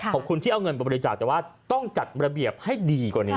ขอบคุณที่เอาเงินไปบริจาคแต่ว่าต้องจัดระเบียบให้ดีกว่านี้